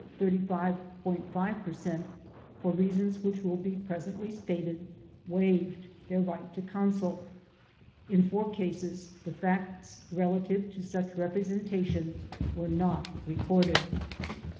5 per cent, for reasons which will be presently stated, waived their right to counsel. In 4 cases the facts relative to such representation were not re corded.